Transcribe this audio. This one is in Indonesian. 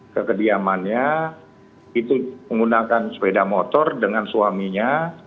kekediamannya itu menggunakan sepeda motor dengan suaminya